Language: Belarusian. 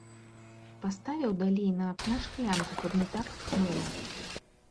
Паставіў далей на акно шклянку, каб не так тхнула.